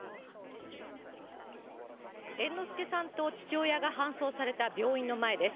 猿之助さんと父親が搬送された病院の前です。